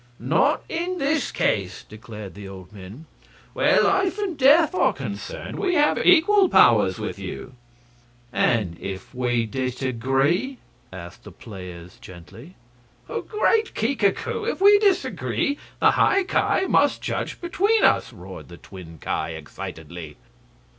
"Not in this case," declared the old men. "Where life and death are concerned we have equal powers with you." "And if we disagree?" asked the players, gently. "Great Kika koo! If we disagree the High Ki must judge between us!" roared the twin Ki, excitedly.